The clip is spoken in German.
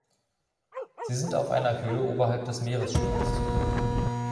Sie sind auf einer Höhe oberhalb des Meeresspiegels zu finden.